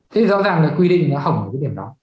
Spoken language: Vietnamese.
thế rõ ràng là quy định nó hổng ở cái điểm đó